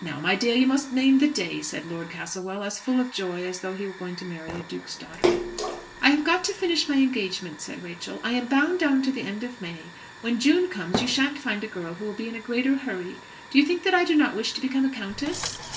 "Now, my dear, you must name the day," said Lord Castlewell, as full of joy as though he were going to marry a duke's daughter. "I have got to finish my engagement," said Rachel; "I am bound down to the end of May. When June comes you shan't find a girl who will be in a greater hurry. Do you think that I do not wish to become a countess?"